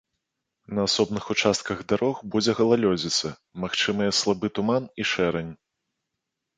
На асобных участках дарог будзе галалёдзіца, магчымыя слабы туман і шэрань.